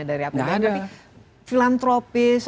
dari apbn gak ada filantropis